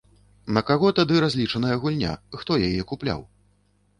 На каго тады разлічаная гульня, хто яе купляў?